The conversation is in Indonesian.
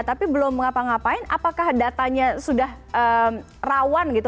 tapi belum mengapa ngapain apakah datanya sudah rawan gitu